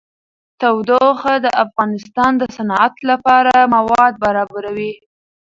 تودوخه د افغانستان د صنعت لپاره مواد برابروي.